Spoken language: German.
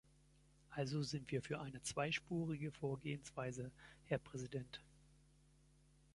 Also sind wir für eine zweispurige Vorgehensweise, Herr Präsident.